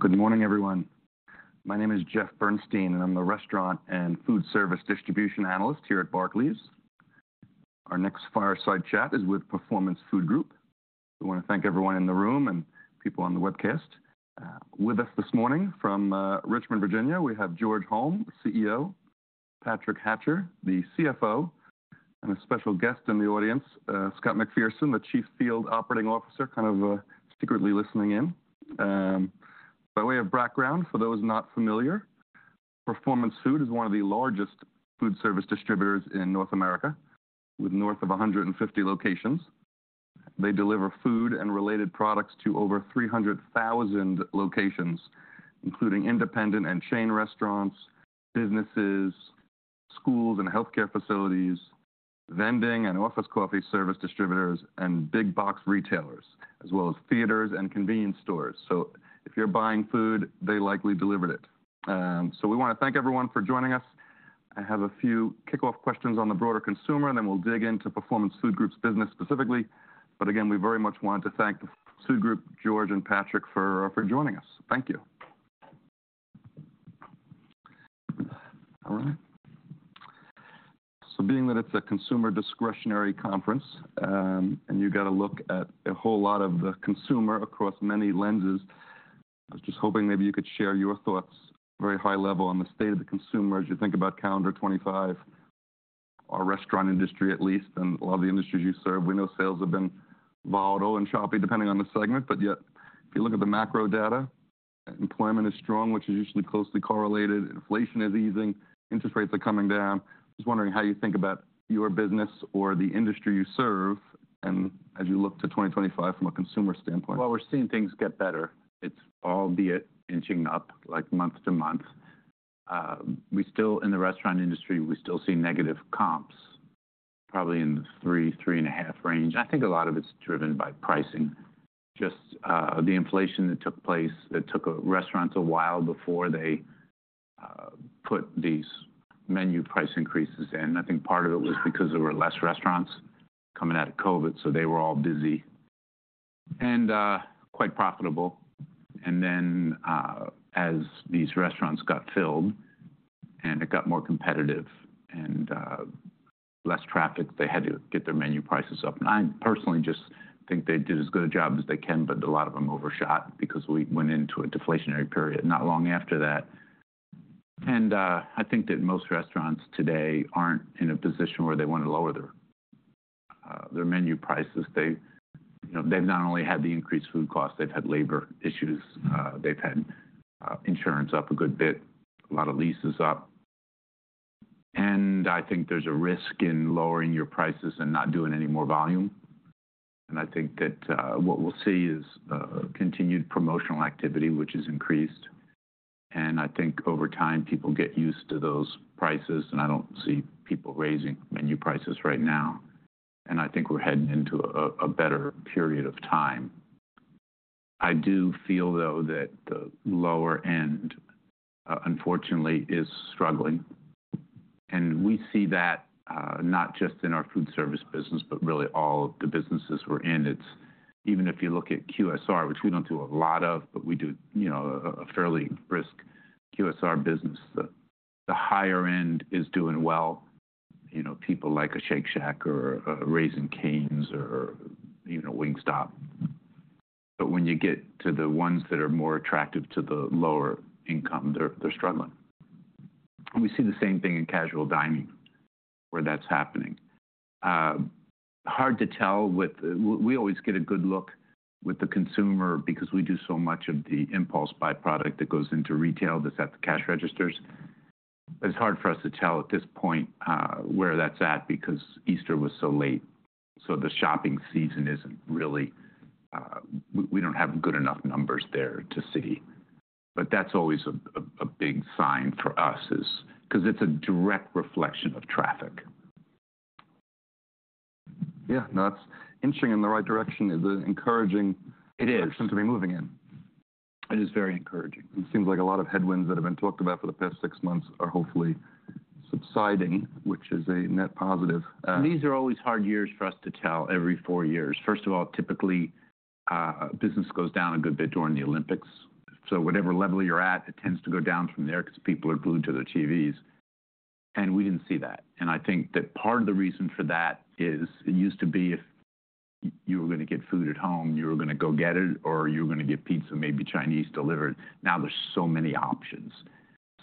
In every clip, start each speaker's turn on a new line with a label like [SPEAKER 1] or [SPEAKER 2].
[SPEAKER 1] Good morning, everyone. My name is Jeff Bernstein, and I'm the restaurant and food service distribution analyst here at Barclays. Our next fireside chat is with Performance Food Group. I want to thank everyone in the room and people on the webcast. With us this morning from Richmond, Virginia, we have George Holm, CEO, Patrick Hatcher, the CFO, and a special guest in the audience, Scott McPherson, the Chief Field Operating Officer, kind of secretly listening in. By way of background, for those not familiar, Performance Food is one of the largest food service distributors in North America, with north of 150 locations. They deliver food and related products to over 300,000 locations, including independent and chain restaurants, businesses, schools and healthcare facilities, vending and office coffee service distributors, and big box retailers, as well as theaters and convenience stores. So if you're buying food, they likely delivered it. So we want to thank everyone for joining us. I have a few kickoff questions on the broader consumer, and then we'll dig into Performance Food Group's business specifically. But again, we very much want to thank Performance Food Group, George, and Patrick for joining us. Thank you. All right. So being that it's a consumer discretionary conference, and you got to look at a whole lot of the consumer across many lenses, I was just hoping maybe you could share your thoughts very high level on the state of the consumer as you think about calendar 2025, our restaurant industry at least, and a lot of the industries you serve. We know sales have been volatile and choppy depending on the segment, but yet if you look at the macro data, employment is strong, which is usually closely correlated. Inflation is easing. Interest rates are coming down. Just wondering how you think about your business or the industry you serve as you look to 2025 from a consumer standpoint?
[SPEAKER 2] We're seeing things get better. It's albeit inching up like month to month. In the restaurant industry, we see negative comps, probably in the 3%-3.5% range. I think a lot of it's driven by pricing. Just the inflation that took place, it took restaurants a while before they put these menu price increases in. I think part of it was because there were less restaurants coming out of COVID, so they were all busy and quite profitable. Then as these restaurants got filled and it got more competitive and less traffic, they had to get their menu prices up. I personally just think they did as good a job as they can, but a lot of them overshot because we went into a deflationary period not long after that. I think that most restaurants today aren't in a position where they want to lower their menu prices. They've not only had the increased food costs, they've had labor issues. They've had insurance up a good bit, a lot of leases up. I think there's a risk in lowering your prices and not doing any more volume. I think that what we'll see is continued promotional activity, which has increased. I think over time, people get used to those prices, and I don't see people raising menu prices right now. I think we're heading into a better period of time. I do feel, though, that the lower end, unfortunately, is struggling. We see that not just in our food service business, but really all of the businesses we're in. Even if you look at QSR, which we don't do a lot of, but we do a fairly brisk QSR business, the higher end is doing well. People like a Shake Shack or a Raising Cane's or Wingstop. But when you get to the ones that are more attractive to the lower income, they're struggling. We see the same thing in casual dining where that's happening. Hard to tell with we always get a good look with the consumer because we do so much of the impulse buy product that goes into retail that's at the cash registers. It's hard for us to tell at this point where that's at because Easter was so late. So the shopping season isn't really we don't have good enough numbers there to see. But that's always a big sign for us because it's a direct reflection of traffic.
[SPEAKER 1] Yeah. No, that's inching in the right direction. It's encouraging.
[SPEAKER 2] It is.
[SPEAKER 1] For consumers to be moving in. It is very encouraging. It seems like a lot of headwinds that have been talked about for the past six months are hopefully subsiding, which is a net positive.
[SPEAKER 2] These are always hard years for us to tell every four years. First of all, typically, business goes down a good bit during the Olympics. So whatever level you're at, it tends to go down from there because people are glued to their TVs. And we didn't see that. And I think that part of the reason for that is it used to be if you were going to get food at home, you were going to go get it, or you were going to get pizza, maybe Chinese delivered. Now there's so many options.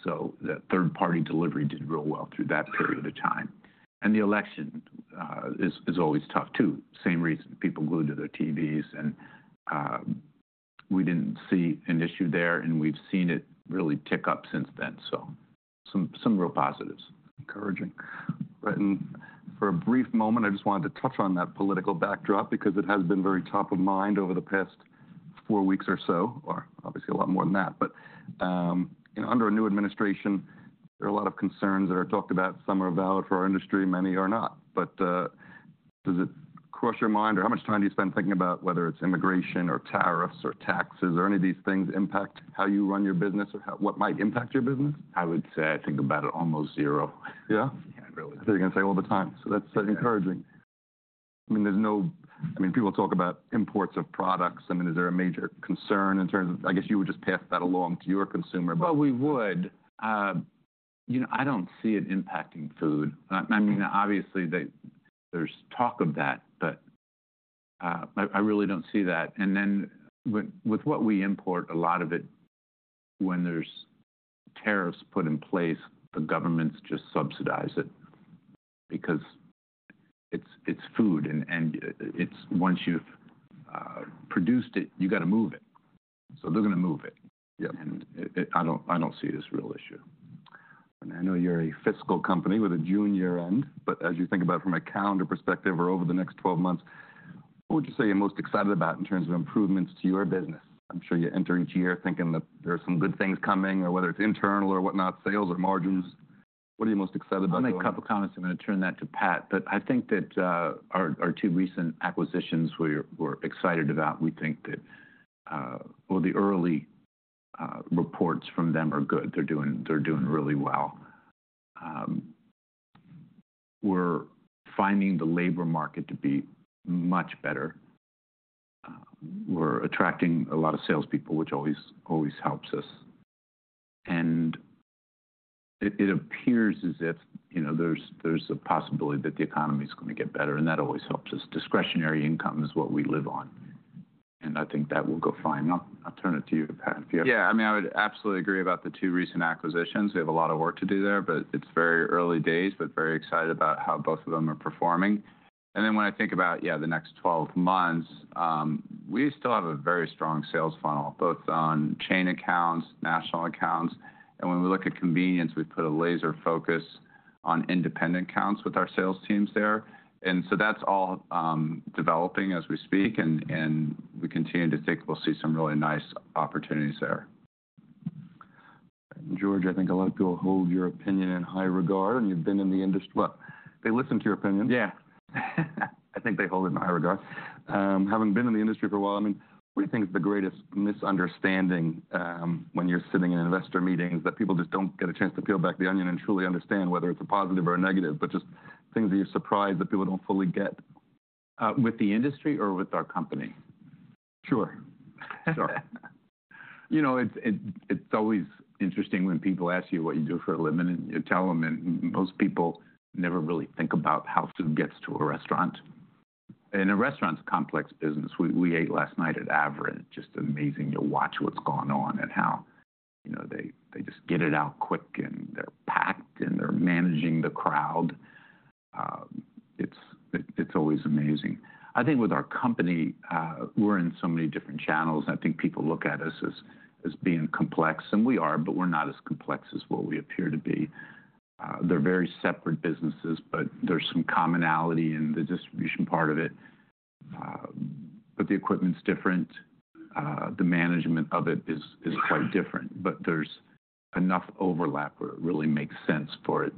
[SPEAKER 2] So that third-party delivery did real well through that period of time. And the election is always tough too. Same reason, people glued to their TVs. And we didn't see an issue there, and we've seen it really tick up since then. So some real positives.
[SPEAKER 1] Encouraging. Right. And for a brief moment, I just wanted to touch on that political backdrop because it has been very top of mind over the past four weeks or so, or obviously a lot more than that. But under a new administration, there are a lot of concerns that are talked about. Some are valid for our industry, many are not. But does it cross your mind, or how much time do you spend thinking about whether it's immigration or tariffs or taxes or any of these things impact how you run your business or what might impact your business?
[SPEAKER 2] I would say I think about it almost zero.
[SPEAKER 1] Yeah?
[SPEAKER 2] Yeah, really.
[SPEAKER 1] That's what you're going to say all the time. So that's encouraging. I mean, there's no, I mean, people talk about imports of products. I mean, is there a major concern in terms of, I guess you would just pass that along to your consumer?
[SPEAKER 2] We would. You know, I don't see it impacting food. I mean, obviously, there's talk of that, but I really don't see that. And then with what we import, a lot of it, when there's tariffs put in place, the governments just subsidize it because it's food. And once you've produced it, you got to move it. So they're going to move it. And I don't see it as a real issue.
[SPEAKER 1] And I know you're a fiscal company with a June year-end, but as you think about it from a calendar perspective or over the next 12 months, what would you say you're most excited about in terms of improvements to your business? I'm sure you're entering each year thinking that there are some good things coming, or whether it's internal or whatnot, sales or margins. What are you most excited about?
[SPEAKER 2] I'll make a couple of comments. I'm going to turn that to Pat, but I think that our two recent acquisitions we're excited about, we think that, well, the early reports from them are good. They're doing really well. We're finding the labor market to be much better. We're attracting a lot of salespeople, which always helps us, and it appears as if there's a possibility that the economy is going to get better, and that always helps us. Discretionary income is what we live on, and I think that will go fine. I'll turn it to you, Pat, if you have.
[SPEAKER 3] Yeah. I mean, I would absolutely agree about the two recent acquisitions. We have a lot of work to do there, but it's very early days, but very excited about how both of them are performing. And then when I think about, yeah, the next 12 months, we still have a very strong sales funnel, both on chain accounts, national accounts. And when we look at convenience, we've put a laser focus on independent accounts with our sales teams there. And so that's all developing as we speak, and we continue to think we'll see some really nice opportunities there.
[SPEAKER 1] George, I think a lot of people hold your opinion in high regard, and you've been in the industry. Well, they listen to your opinion.
[SPEAKER 2] Yeah. I think they hold it in high regard.
[SPEAKER 1] Having been in the industry for a while, I mean, what do you think is the greatest misunderstanding when you're sitting in investor meetings that people just don't get a chance to peel back the onion and truly understand whether it's a positive or a negative, but just things that you're surprised that people don't fully get?
[SPEAKER 2] With the industry or with our company?
[SPEAKER 1] Sure. Sure.
[SPEAKER 2] You know, it's always interesting when people ask you what you do for a living, and you tell them, and most people never really think about how food gets to a restaurant. A restaurant's a complex business. We ate last night at Avra. Just amazing to watch what's going on and how they just get it out quick, and they're packed, and they're managing the crowd. It's always amazing. I think with our company, we're in so many different channels. I think people look at us as being complex, and we are, but we're not as complex as what we appear to be. They're very separate businesses, but there's some commonality in the distribution part of it. The equipment's different. The management of it is quite different. There's enough overlap where it really makes sense for it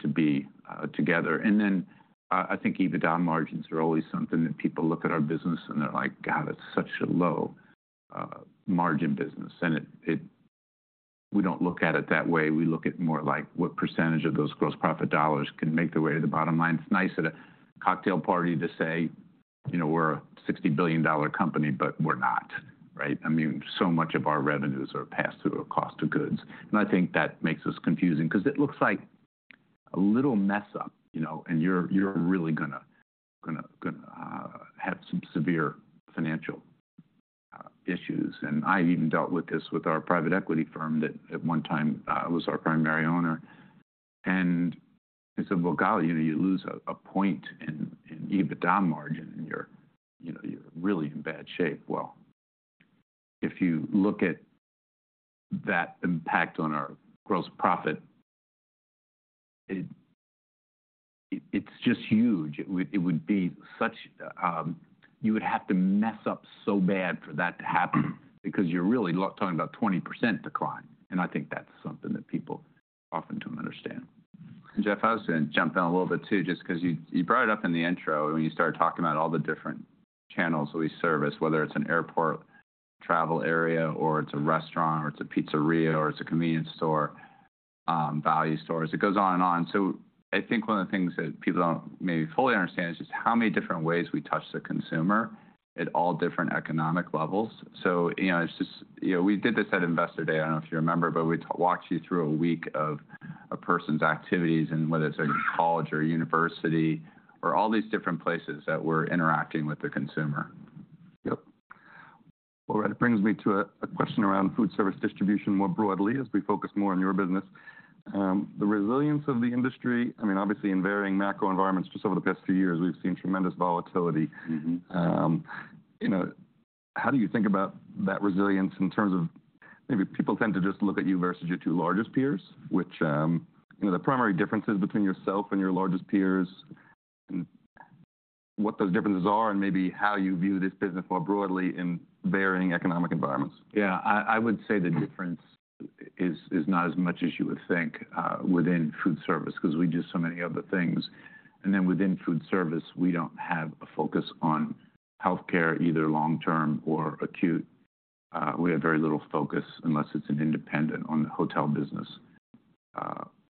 [SPEAKER 2] to be together. And then I think EBITDA margins are always something that people look at our business, and they're like, "God, it's such a low margin business." And we don't look at it that way. We look at more like what percentage of those gross profit dollars can make their way to the bottom line. It's nice at a cocktail party to say, you know, we're a $60 billion company, but we're not, right? I mean, so much of our revenues are passed through a cost of goods. And I think that makes us confusing because it looks like a little mess-up, you know, and you're really going to have some severe financial issues. And I even dealt with this with our private equity firm that at one time was our primary owner. They said, "Well, golly, you know, you lose a point in EBITDA margin, and you're really in bad shape." If you look at that impact on our gross profit, it's just huge. It would be such you would have to mess up so bad for that to happen because you're really talking about 20% decline. I think that's something that people often don't understand.
[SPEAKER 3] Jeff, I was going to jump in a little bit too, just because you brought it up in the intro when you started talking about all the different channels that we service, whether it's an airport travel area, or it's a restaurant, or it's a pizzeria, or it's a convenience store, value stores. It goes on and on. So I think one of the things that people don't maybe fully understand is just how many different ways we touch the consumer at all different economic levels. So it's just, you know, we did this at Investor Day. I don't know if you remember, but we walked you through a week of a person's activities, and whether it's a college or university or all these different places that we're interacting with the consumer.
[SPEAKER 1] Yep. Well, right, it brings me to a question around food service distribution more broadly as we focus more on your business. The resilience of the industry, I mean, obviously in varying macro environments, just over the past few years, we've seen tremendous volatility. You know, how do you think about that resilience in terms of maybe people tend to just look at you versus your two largest peers, which, you know, the primary differences between yourself and your largest peers, what those differences are, and maybe how you view this business more broadly in varying economic environments?
[SPEAKER 2] Yeah. I would say the difference is not as much as you would think within food service because we do so many other things. And then within food service, we don't have a focus on healthcare, either long-term or acute. We have very little focus unless it's an independent in the hotel business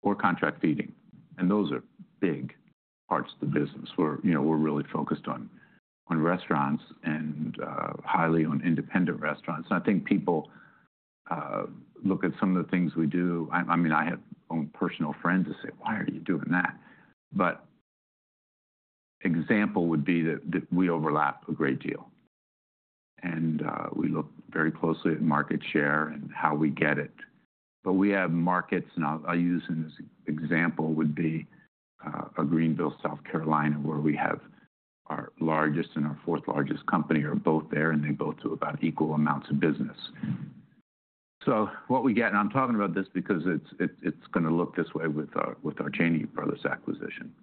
[SPEAKER 2] or contract feeding. And those are big parts of the business. We're really focused on restaurants and highly on independent restaurants. And I think people look at some of the things we do. I mean, I have my own personal friends that say, "Why are you doing that?" But an example would be that we overlap a great deal. And we look very closely at market share and how we get it. But we have markets, and I'll use an example would be a Greenville, South Carolina, where we have our largest and our fourth largest company are both there, and they both do about equal amounts of business. So what we get, and I'm talking about this because it's going to look this way with our Cheney Brothers acquisition.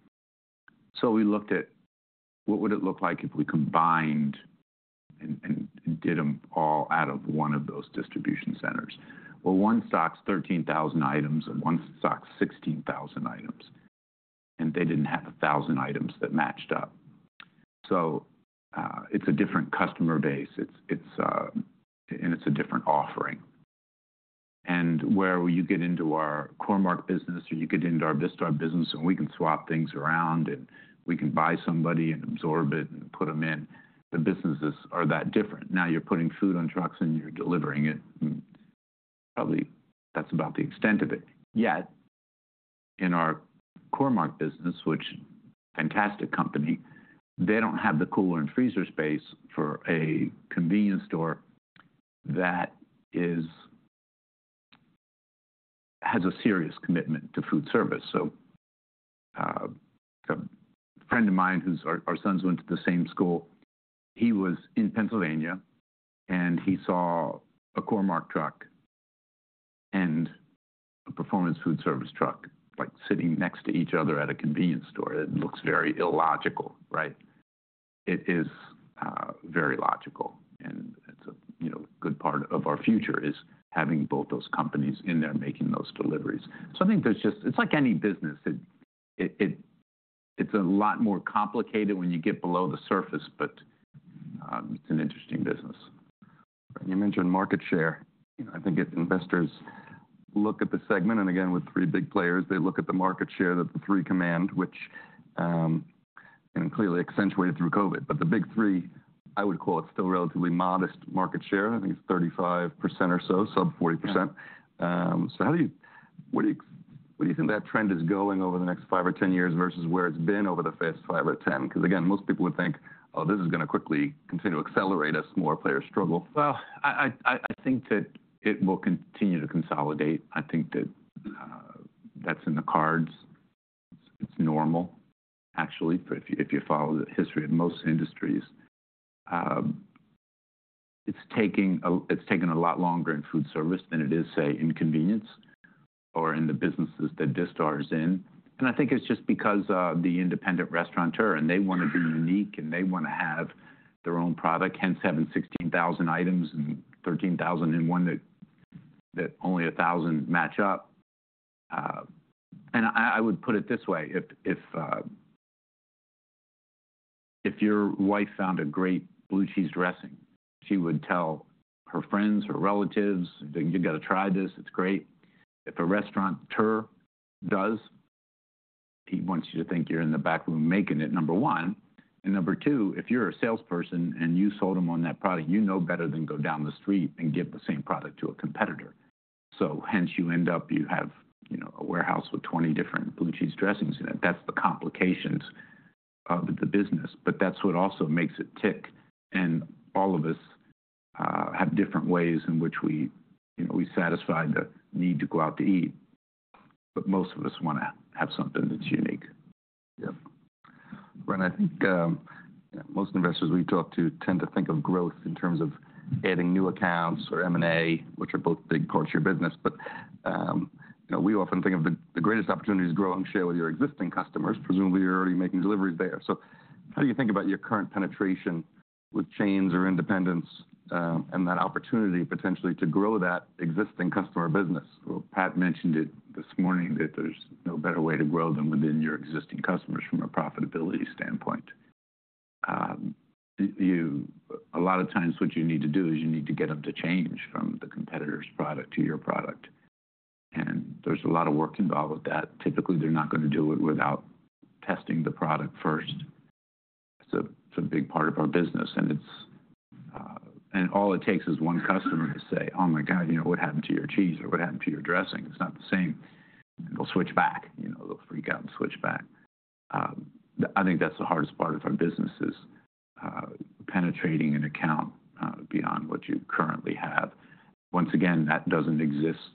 [SPEAKER 2] So we looked at what would it look like if we combined and did them all out of one of those distribution centers. Well, one stocks 13,000 items, and one stocks 16,000 items. And they didn't have 1,000 items that matched up. So it's a different customer base, and it's a different offering. And where you get into our Core-Mark business, or you get into our Vistar business, and we can swap things around, and we can buy somebody and absorb it and put them in, the businesses are that different. Now you're putting food on trucks, and you're delivering it. Probably that's about the extent of it. Yet in our Core-Mark business, which is a fantastic company, they don't have the cooler and freezer space for a convenience store that has a serious commitment to food service. So a friend of mine whose our sons went to the same school, he was in Pennsylvania, and he saw a Core-Mark truck and a Performance Foodservice truck like sitting next to each other at a convenience store. It looks very illogical, right? It is very logical. And it's a good part of our future is having both those companies in there making those deliveries. So I think there's just, it's like any business. It's a lot more complicated when you get below the surface, but it's an interesting business.
[SPEAKER 1] You mentioned market share. I think investors look at the segment, and again, with three big players, they look at the market share that the three command, which clearly accentuated through COVID. But the big three, I would call it still relatively modest market share. I think it's 35% or so, sub 40%. So how do you, what do you think that trend is going over the next five or ten years versus where it's been over the past five or ten? Because again, most people would think, "Oh, this is going to quickly continue to accelerate as more players struggle.
[SPEAKER 2] Well, I think that it will continue to consolidate. I think that that's in the cards. It's normal, actually, if you follow the history of most industries. It's taken a lot longer in food service than it is, say, in convenience or in the businesses that Vistar is in. And I think it's just because of the independent restaurateur. And they want to be unique, and they want to have their own product, hence having 16,000 items and 13,000 in one that only 1,000 match up. And I would put it this way. If your wife found a great blue cheese dressing, she would tell her friends, her relatives, "You got to try this. It's great." If a restaurateur does, he wants you to think you're in the back room making it, number one. And number two, if you're a salesperson and you sold them on that product, you know better than go down the street and give the same product to a competitor. So hence you end up, you have a warehouse with 20 different blue cheese dressings in it. That's the complications of the business. But that's what also makes it tick. And all of us have different ways in which we satisfy the need to go out to eat. But most of us want to have something that's unique.
[SPEAKER 1] Yeah. Right. I think most investors we talk to tend to think of growth in terms of adding new accounts or M&A, which are both big parts of your business. But we often think of the greatest opportunity to grow and share with your existing customers, presumably you're already making deliveries there. So how do you think about your current penetration with chains or independents and that opportunity potentially to grow that existing customer business?
[SPEAKER 2] Pat mentioned it this morning that there's no better way to grow than within your existing customers from a profitability standpoint. A lot of times what you need to do is you need to get them to change from the competitor's product to your product. There's a lot of work involved with that. Typically, they're not going to do it without testing the product first. It's a big part of our business. All it takes is one customer to say, "Oh my God, you know what happened to your cheese? Or what happened to your dressing?" It's not the same. They'll switch back. You know, they'll freak out and switch back. I think that's the hardest part of our business is penetrating an account beyond what you currently have. Once again, that doesn't exist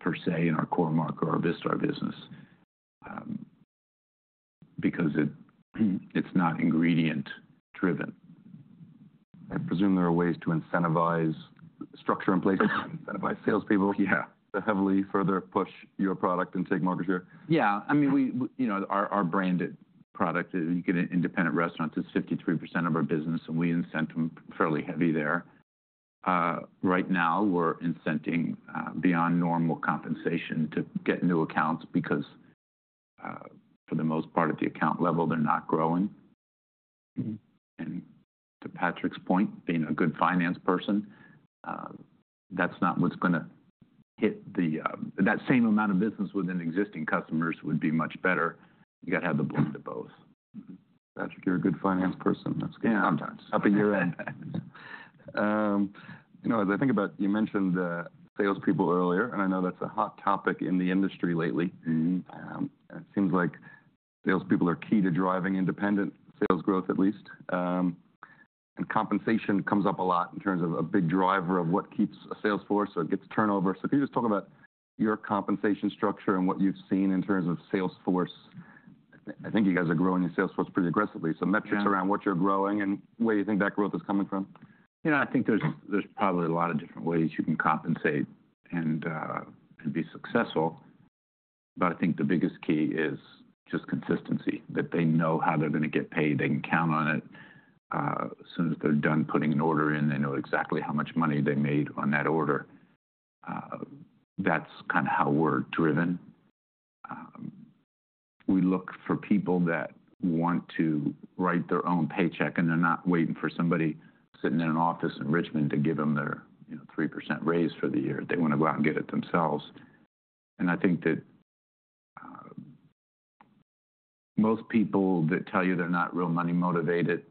[SPEAKER 2] per se in our Core-Mark or our Vistar business because it's not ingredient-driven.
[SPEAKER 1] I presume there are ways to incentive structure in place, incentivize salespeople to heavily further push your product and take market share.
[SPEAKER 2] Yeah. I mean, you know, our branded product, you get an independent restaurant, is 53% of our business, and we incent them fairly heavy there. Right now, we're incenting beyond normal compensation to get new accounts because for the most part at the account level, they're not growing. And to Patrick's point, being a good finance person, that's not what's going to hit that same amount of business within existing customers would be much better. You got to have the blend of both.
[SPEAKER 1] Patrick, you're a good finance person. That's good sometimes.
[SPEAKER 2] Yeah.
[SPEAKER 1] Up in your end. You know, as I think about, you mentioned salespeople earlier, and I know that's a hot topic in the industry lately. It seems like salespeople are key to driving independent sales growth, at least. And compensation comes up a lot in terms of a big driver of what keeps a sales force or gets turnover. So can you just talk about your compensation structure and what you've seen in terms of sales force? I think you guys are growing in sales force pretty aggressively. So metrics around what you're growing and where you think that growth is coming from?
[SPEAKER 2] You know, I think there's probably a lot of different ways you can compensate and be successful. But I think the biggest key is just consistency, that they know how they're going to get paid. They can count on it. As soon as they're done putting an order in, they know exactly how much money they made on that order. That's kind of how we're driven. We look for people that want to write their own paycheck, and they're not waiting for somebody sitting in an office in Richmond to give them their 3% raise for the year. They want to go out and get it themselves. And I think that most people that tell you they're not real money motivated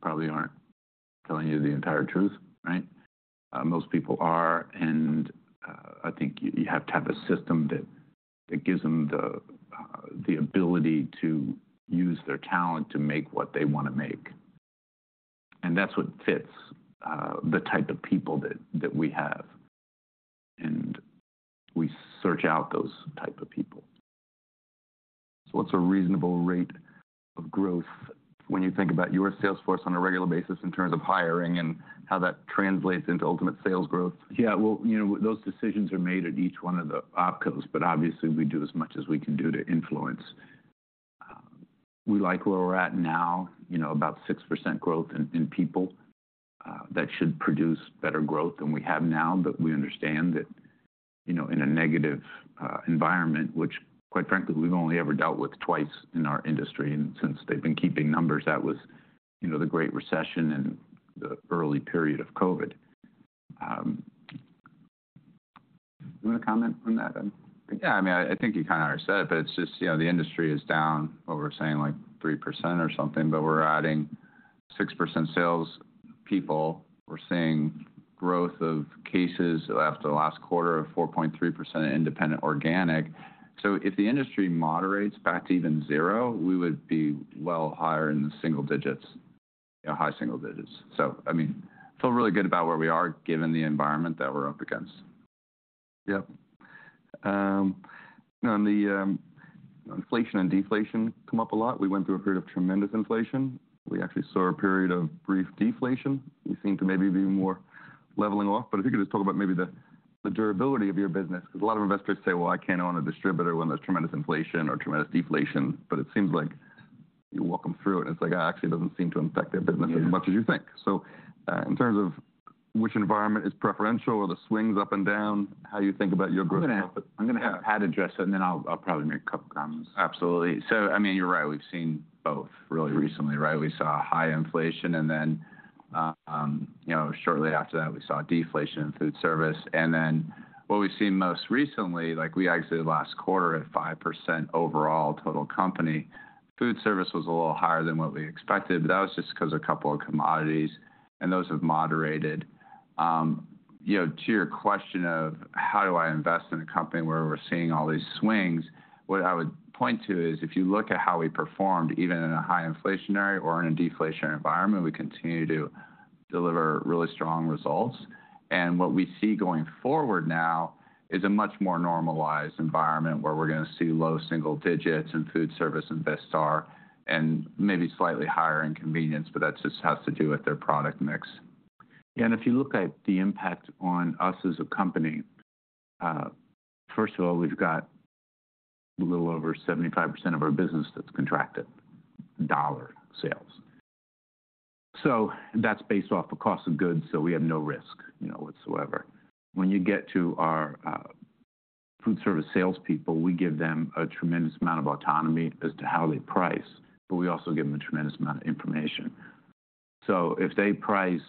[SPEAKER 2] probably aren't telling you the entire truth, right? Most people are. And I think you have to have a system that gives them the ability to use their talent to make what they want to make. And that's what fits the type of people that we have. And we search out those types of people.
[SPEAKER 1] What's a reasonable rate of growth when you think about your sales force on a regular basis in terms of hiring and how that translates into ultimate sales growth?
[SPEAKER 2] Yeah. Well, you know, those decisions are made at each one of the opcos, but obviously we do as much as we can do to influence. We like where we're at now, you know, about 6% growth in people. That should produce better growth than we have now, but we understand that, you know, in a negative environment, which quite frankly, we've only ever dealt with twice in our industry, and since they've been keeping numbers, that was, you know, the Great Recession and the early period of COVID.
[SPEAKER 1] Do you want to comment on that?
[SPEAKER 3] Yeah. I mean, I think you kind of already said it, but it's just, you know, the industry is down, what we're saying, like 3% or something, but we're adding 6% salespeople. We're seeing growth of cases after the last quarter of 4.3% independent organic. So if the industry moderates back to even zero, we would be well higher in the single digits, high single digits. So I mean, I feel really good about where we are given the environment that we're up against.
[SPEAKER 1] Yep. You know, the inflation and deflation come up a lot. We went through a period of tremendous inflation. We actually saw a period of brief deflation. We seem to maybe be more leveling off. But if you could just talk about maybe the durability of your business, because a lot of investors say, "Well, I can't own a distributor when there's tremendous inflation or tremendous deflation," but it seems like you walk them through it, and it's like, actually, it doesn't seem to affect their business as much as you think, so in terms of which environment is preferential or the swings up and down, how you think about your growth?
[SPEAKER 2] I'm going to have Pat address it, and then I'll probably make a couple of comments.
[SPEAKER 3] Absolutely. So I mean, you're right. We've seen both really recently, right? We saw high inflation, and then, you know, shortly after that, we saw deflation in food service. And then what we've seen most recently, like we exited last quarter at 5% overall total company. Food service was a little higher than what we expected, but that was just because a couple of commodities, and those have moderated. You know, to your question of how do I invest in a company where we're seeing all these swings, what I would point to is if you look at how we performed, even in a high inflationary or in a deflationary environment, we continue to deliver really strong results. What we see going forward now is a much more normalized environment where we're going to see low single digits in food service and Vistar and maybe slightly higher in convenience, but that just has to do with their product mix.
[SPEAKER 2] Yeah. And if you look at the impact on us as a company, first of all, we've got a little over 75% of our business that's contracted, dollar sales. So that's based off the cost of goods, so we have no risk, you know, whatsoever. When you get to our food service salespeople, we give them a tremendous amount of autonomy as to how they price, but we also give them a tremendous amount of information. So if they price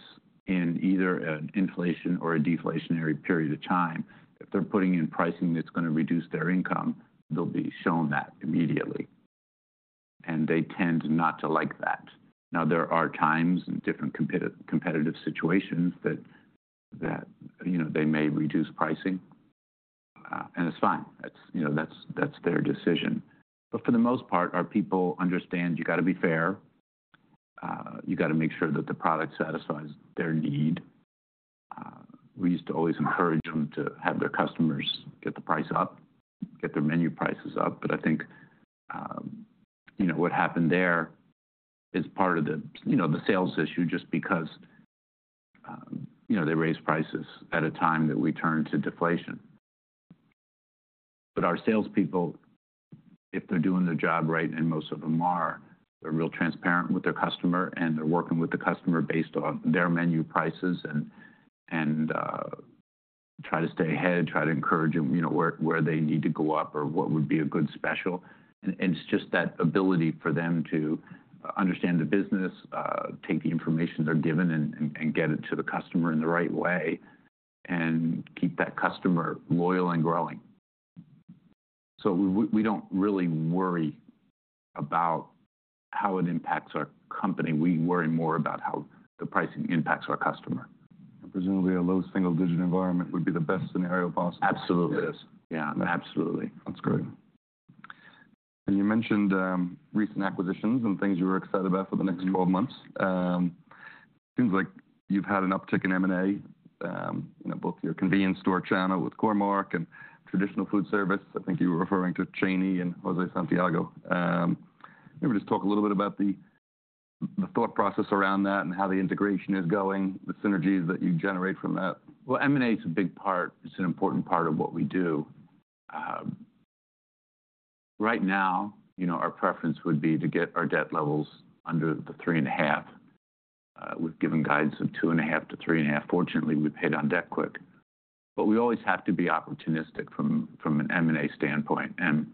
[SPEAKER 2] in either an inflation or a deflationary period of time, if they're putting in pricing that's going to reduce their income, they'll be shown that immediately. And they tend not to like that. Now, there are times in different competitive situations that, you know, they may reduce pricing, and it's fine. You know, that's their decision. But for the most part, our people understand you got to be fair. You got to make sure that the product satisfies their need. We used to always encourage them to have their customers get the price up, get their menu prices up. But I think, you know, what happened there is part of the, you know, the sales issue just because, you know, they raised prices at a time that we turned to deflation. But our salespeople, if they're doing their job right, and most of them are, they're real transparent with their customer, and they're working with the customer based on their menu prices and try to stay ahead, try to encourage them, you know, where they need to go up or what would be a good special. And it's just that ability for them to understand the business, take the information they're given, and get it to the customer in the right way, and keep that customer loyal and growing. So we don't really worry about how it impacts our company. We worry more about how the pricing impacts our customer.
[SPEAKER 1] Presumably, a low single digit environment would be the best scenario possible.
[SPEAKER 2] Absolutely. Yeah. Absolutely.
[SPEAKER 1] That's great. And you mentioned recent acquisitions and things you were excited about for the next 12 months. It seems like you've had an uptick in M&A, you know, both your convenience store channel with Core-Mark and traditional food service. I think you were referring to Cheney and José Santiago. Maybe just talk a little bit about the thought process around that and how the integration is going, the synergies that you generate from that.
[SPEAKER 2] M&A is a big part. It's an important part of what we do. Right now, you know, our preference would be to get our debt levels under the three and a half. We've given guidance of two and a half to three and a half. Fortunately, we paid on debt quick, but we always have to be opportunistic from an M&A standpoint, and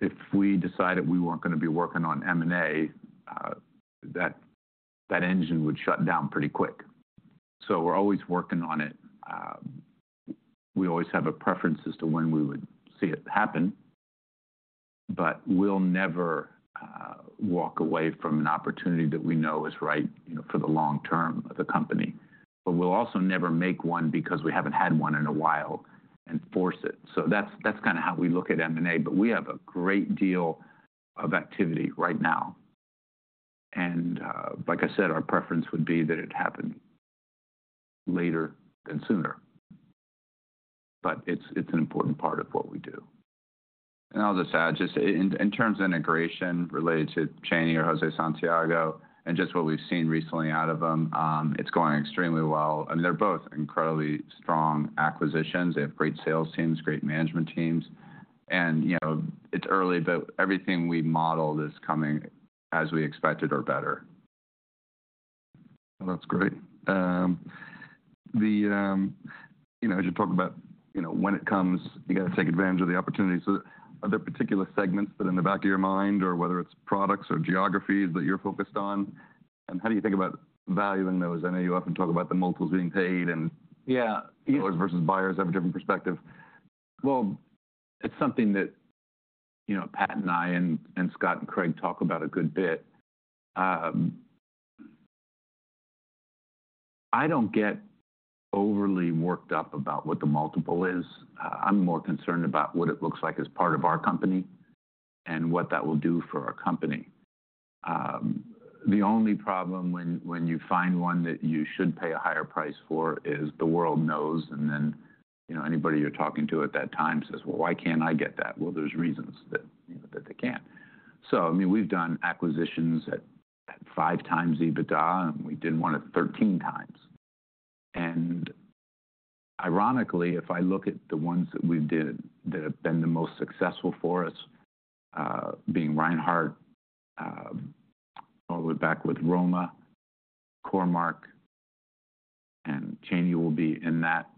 [SPEAKER 2] if we decided we weren't going to be working on M&A, that engine would shut down pretty quick, so we're always working on it. We always have a preference as to when we would see it happen, but we'll never walk away from an opportunity that we know is right, you know, for the long term of the company. But we'll also never make one because we haven't had one in a while and force it. That's kind of how we look at M&A. But we have a great deal of activity right now. And like I said, our preference would be that it happen later than sooner. But it's an important part of what we do.
[SPEAKER 3] And I'll just add, just in terms of integration related to Cheney or José Santiago and just what we've seen recently out of them, it's going extremely well. I mean, they're both incredibly strong acquisitions. They have great sales teams, great management teams. And, you know, it's early, but everything we modeled is coming as we expected or better.
[SPEAKER 1] That's great. The, you know, as you talk about, you know, when it comes, you got to take advantage of the opportunity. So are there particular segments that are in the back of your mind, or whether it's products or geographies that you're focused on? And how do you think about valuing those? I know you often talk about the multiples being paid and sellers versus buyers have a different perspective.
[SPEAKER 2] It's something that, you know, Pat and I and Scott and Craig talk about a good bit. I don't get overly worked up about what the multiple is. I'm more concerned about what it looks like as part of our company and what that will do for our company. The only problem when you find one that you should pay a higher price for is the world knows, and then, you know, anybody you're talking to at that time says, "Well, why can't I get that?" Well, there's reasons that they can't. So, I mean, we've done acquisitions at five times EBITDA, and we did one at 13 times. And ironically, if I look at the ones that we've done that have been the most successful for us, being Reinhart, all the way back with Roma, Core-Mark, and Cheney will be in that,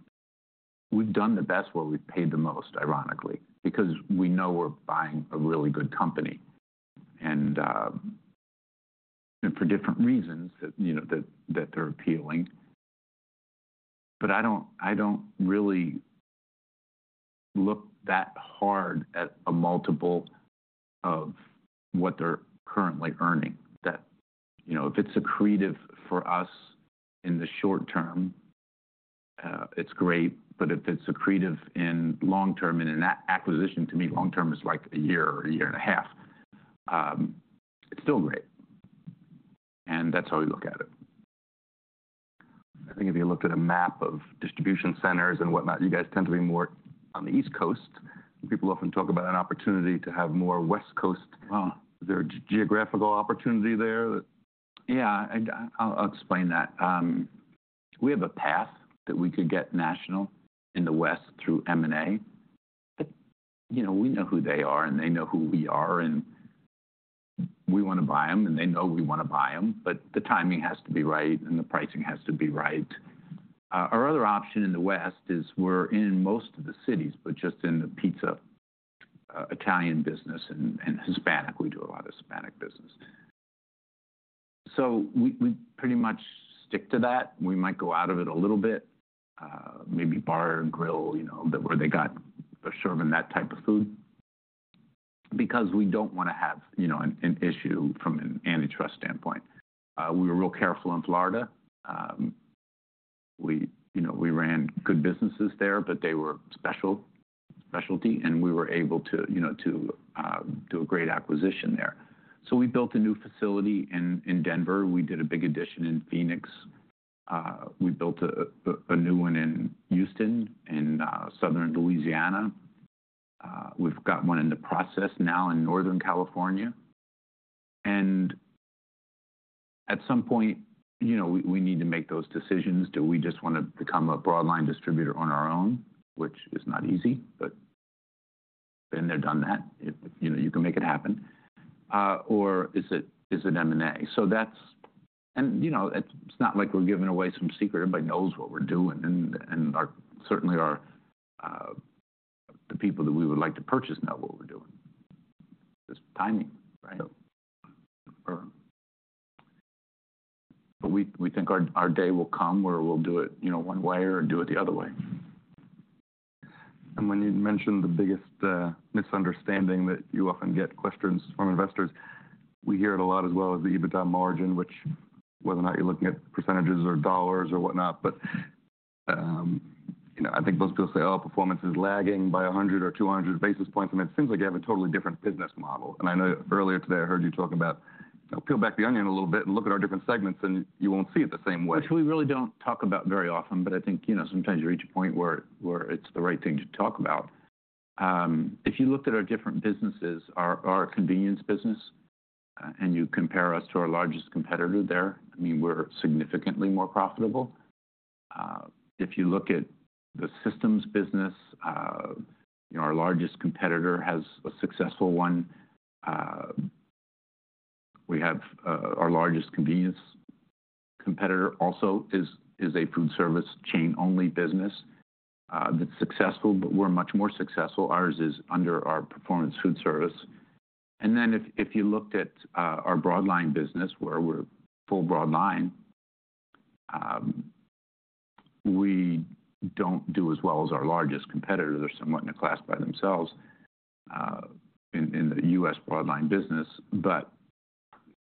[SPEAKER 2] we've done the best where we've paid the most, ironically, because we know we're buying a really good company and for different reasons that, you know, that they're appealing. But I don't really look that hard at a multiple of what they're currently earning. That, you know, if it's accretive for us in the short term, it's great. But if it's accretive in long term, and in that acquisition, to me, long term is like a year or a year and a half, it's still great. And that's how we look at it.
[SPEAKER 1] I think if you looked at a map of distribution centers and whatnot, you guys tend to be more on the East Coast. People often talk about an opportunity to have more West Coast. Is there a geographical opportunity there?
[SPEAKER 2] Yeah. I'll explain that. We have a path that we could get national in the West through M&A. You know, we know who they are, and they know who we are, and we want to buy them, and they know we want to buy them, but the timing has to be right, and the pricing has to be right. Our other option in the West is we're in most of the cities, but just in the pizza, Italian business, and Hispanic. We do a lot of Hispanic business, so we pretty much stick to that. We might go out of it a little bit, maybe bar and grill, you know, where they got a share in that type of food, because we don't want to have, you know, an issue from an antitrust standpoint. We were real careful in Florida. We, you know, we ran good businesses there, but they were specialty, and we were able to, you know, to do a great acquisition there, so we built a new facility in Denver. We did a big addition in Phoenix. We built a new one in Houston and Southern Louisiana. We've got one in the process now in Northern California, and at some point, you know, we need to make those decisions. Do we just want to become a broadline distributor on our own, which is not easy, but been there, done that, you know, you can make it happen, or is it M&A, so that's, and, you know, it's not like we're giving away some secret. Everybody knows what we're doing, and certainly the people that we would like to purchase know what we're doing. It's timing, right? But we think our day will come where we'll do it, you know, one way or do it the other way.
[SPEAKER 1] When you mentioned the biggest misunderstanding that you often get questions from investors, we hear it a lot as well as the EBITDA margin, which whether or not you're looking at percentages or dollars or whatnot. But, you know, I think most people say, "Oh, Performance is lagging by 100 or 200 basis points." I mean, it seems like you have a totally different business model. I know earlier today I heard you talking about, you know, peel back the onion a little bit and look at our different segments, and you won't see it the same way.
[SPEAKER 2] Which we really don't talk about very often, but I think, you know, sometimes you reach a point where it's the right thing to talk about. If you looked at our different businesses, our convenience business, and you compare us to our largest competitor there, I mean, we're significantly more profitable. If you look at the systems business, you know, our largest competitor has a successful one. We have our largest convenience competitor also is a food service chain-only business that's successful, but we're much more successful. Ours is under our Performance Foodservice. And then if you looked at our broadline business, where we're full broadline, we don't do as well as our largest competitors. They're somewhat in a class by themselves in the U.S. broadline business. But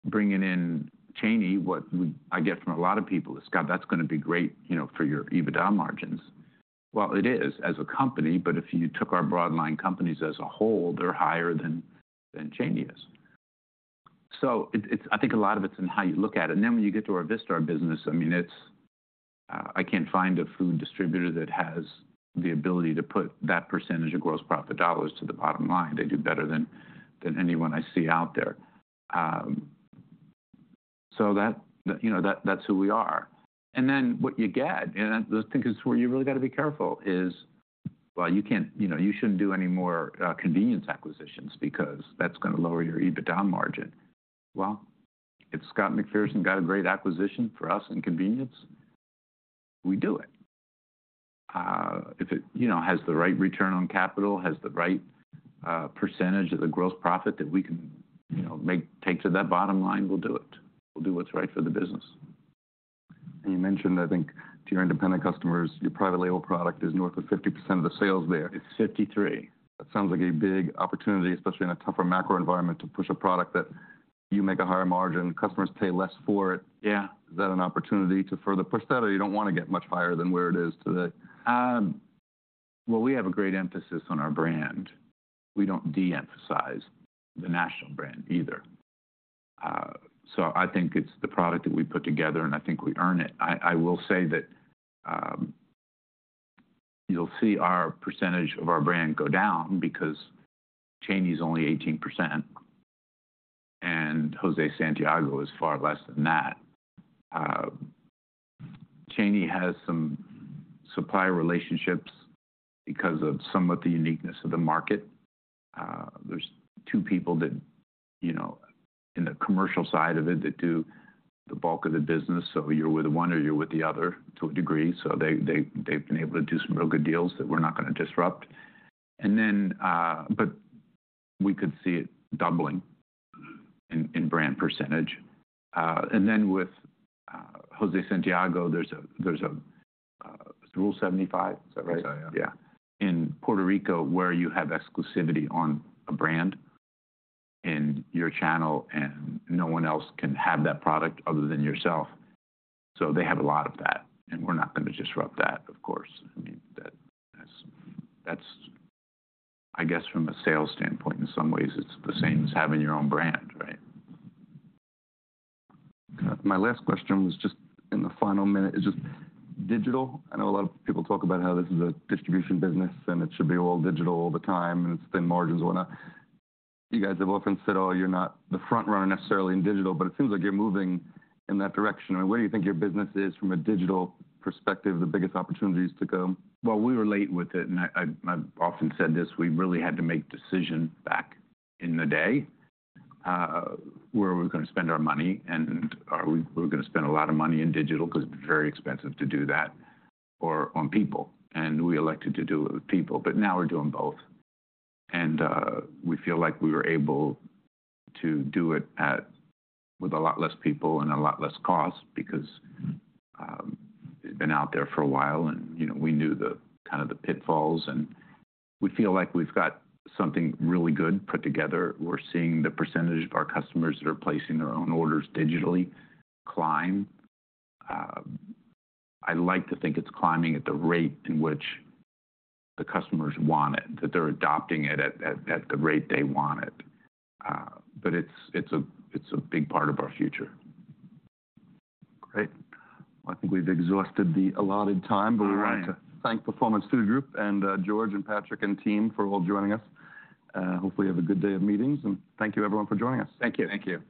[SPEAKER 2] bringing in Cheney, what I get from a lot of people is, "Scott, that's going to be great, you know, for your EBITDA margins." Well, it is as a company, but if you took our broadline companies as a whole, they're higher than Cheney is. So I think a lot of it's in how you look at it. And then when you get to our Vistar business, I mean, it's, I can't find a food distributor that has the ability to put that percentage of gross profit dollars to the bottom line. They do better than anyone I see out there. So that, you know, that's who we are. And then what you get, and I think it's where you really got to be careful, is, well, you can't, you know, you shouldn't do any more convenience acquisitions because that's going to lower your EBITDA margin. If Scott McPherson got a great acquisition for us in convenience, we do it. If it, you know, has the right return on capital, has the right percentage of the gross profit that we can, you know, make, take to that bottom line, we'll do it. We'll do what's right for the business.
[SPEAKER 1] You mentioned, I think, to your independent customers, your private label product is north of 50% of the sales there.
[SPEAKER 2] It's 53.
[SPEAKER 1] That sounds like a big opportunity, especially in a tougher macro environment, to push a product that you make a higher margin. Customers pay less for it.
[SPEAKER 2] Yeah.
[SPEAKER 1] Is that an opportunity to further push that, or you don't want to get much higher than where it is today?
[SPEAKER 2] We have a great emphasis on our brand. We don't de-emphasize the national brand either. So I think it's the product that we put together, and I think we earn it. I will say that you'll see our percentage of our brand go down because Cheney's only 18%, and José Santiago is far less than that. Cheney has some supplier relationships because of somewhat the uniqueness of the market. There's two people that, you know, in the commercial side of it that do the bulk of the business. So you're with one or you're with the other to a degree. So they've been able to do some real good deals that we're not going to disrupt. And then, but we could see it doubling in brand percentage. And then with José Santiago, there's a, there's a Rule 75. Is that right?
[SPEAKER 1] I'm sorry.
[SPEAKER 2] Yeah. In Puerto Rico, where you have exclusivity on a brand in your channel, and no one else can have that product other than yourself. So they have a lot of that, and we're not going to disrupt that, of course. I mean, that's, I guess, from a sales standpoint, in some ways, it's the same as having your own brand, right?
[SPEAKER 1] My last question was just in the final minute. It's just digital. I know a lot of people talk about how this is a distribution business, and it should be all digital all the time, and it's thin margins, whatnot. You guys have often said, "Oh, you're not the front runner necessarily in digital," but it seems like you're moving in that direction. I mean, where do you think your business is from a digital perspective, the biggest opportunities to go?
[SPEAKER 2] Well, we were late with it, and I've often said this. We really had to make decisions back in the day where we're going to spend our money, and we're going to spend a lot of money in digital because it's very expensive to do that or on people. And we elected to do it with people. But now we're doing both. And we feel like we were able to do it with a lot less people and a lot less cost because it's been out there for a while, and, you know, we knew the kind of the pitfalls. And we feel like we've got something really good put together. We're seeing the percentage of our customers that are placing their own orders digitally climb. I'd like to think it's climbing at the rate in which the customers want it, that they're adopting it at the rate they want it. But it's a big part of our future.
[SPEAKER 1] Great. Well, I think we've exhausted the allotted time, but we wanted to thank Performance Food Group and George and Patrick and team for all joining us. Hopefully, you have a good day of meetings. And thank you, everyone, for joining us.
[SPEAKER 2] Thank you.
[SPEAKER 3] Thank you.